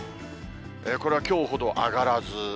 これはきょうほど上がらず。